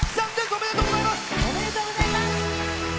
おめでとうございます！